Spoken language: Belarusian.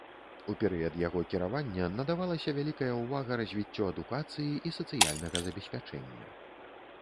У перыяд яго кіравання надавалася вялікая ўвага развіццю адукацыі і сацыяльнага забеспячэння.